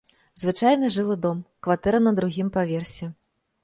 Звычайны жылы дом, кватэра на другім паверсе.